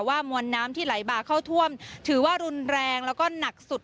มวลน้ำที่ไหลบากเข้าท่วมถือว่ารุนแรงแล้วก็หนักสุด